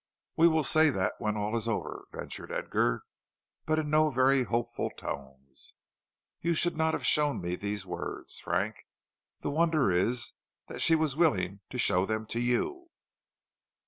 "We will say that when all is over," ventured Edgar, but in no very hopeful tones. "You should not have shown me these words, Frank; the wonder is that she was willing to show them to you."